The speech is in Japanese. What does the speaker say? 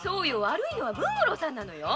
悪いのは文五郎さんよ